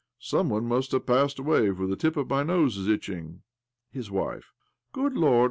Some one must have passed away, for the tip of my nose is itching ! ■His wife: Good Lord